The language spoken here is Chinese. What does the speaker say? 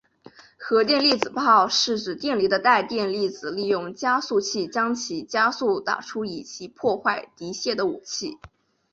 荷电粒子炮是指电离的带电粒子利用加速器将其加速打出以其破坏敌械的武器。